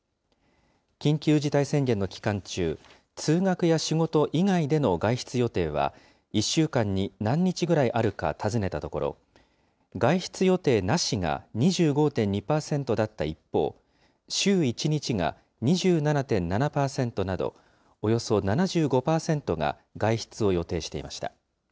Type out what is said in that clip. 緊急事態宣言の期間中、通学や仕事以外での外出予定は１週間に何日ぐらいあるか尋ねたところ、外出予定なしが２５．２％だった一方、週１日が２７．７％など、およそ７５％が外出を予定していました。